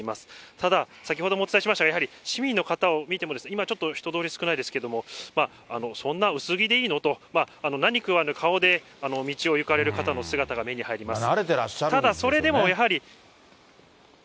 ただ、先ほどもお伝えしましたが、やはり市民の方を見ても、今ちょっと、人通り少ないですけども、そんな薄着でいいの？と、何食わぬ顔で道を行かれる方の姿が目に入ります。